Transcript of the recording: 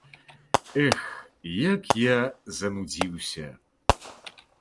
Эх, як я занудзіўся.